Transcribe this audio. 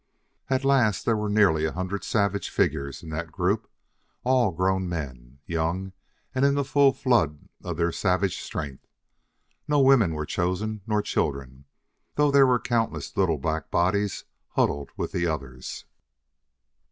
At last there were nearly a hundred savage figures in that group, all grown men, young and in the full flood of their savage strength. No women were chosen, nor children, though there were countless little black bodies huddled with the others.